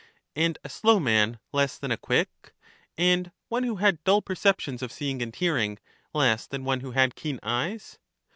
And a slow man less than a quick; and one who had dull perceptions of seeing and hearing less than one who had keen eyes?